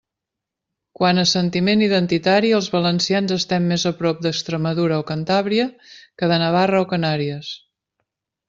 Quant a sentiment identitari els valencians estem més a prop d'Extremadura o Cantàbria que de Navarra o Canàries.